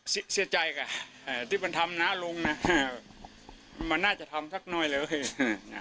เสียใจค่ะเอ่อที่มันทำน้าลุงน่ะเห้อมันน่าจะทำสักหน่อยเลยเห้อเห้อ